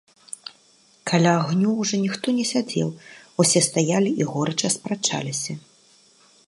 Каля агню ўжо ніхто не сядзеў, усе стаялі і горача спрачаліся.